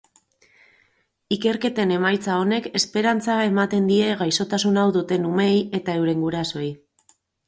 Ikerketen emaitza onek esperantza ematen die gaixotasun hau duten umeei eta euren gurasoei.